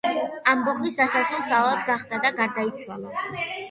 ამბოხის დასასრულს, ავად გახდა და გარდაიცვალა.